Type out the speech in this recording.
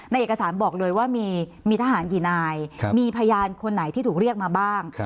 เอกสารบอกเลยว่ามีทหารกี่นายมีพยานคนไหนที่ถูกเรียกมาบ้าง